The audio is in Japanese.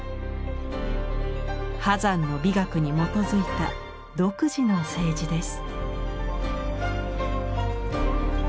波山の美学に基づいた独自の青磁です。